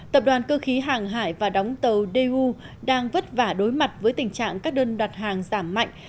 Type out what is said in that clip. tập đoàn cơ khí hàng hải và đóng tàu dou đang vất vả đối mặt với tình trạng các đơn đặt hàng giảm mạnh